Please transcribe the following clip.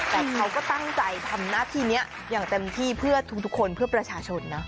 แต่เขาก็ตั้งใจทำหน้าที่นี้อย่างเต็มที่เพื่อทุกคนเพื่อประชาชนนะ